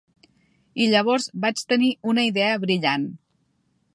I llavors vaig tenir una idea brillant.